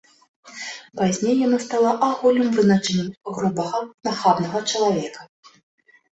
Пазней яно стала агульным вызначэннем грубага, нахабнага чалавека.